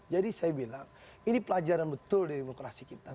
jadi saya bilang ini pelajaran betul dari demokrasi kita